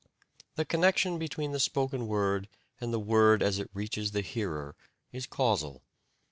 The connection between the spoken word and the word as it reaches the hearer is causal.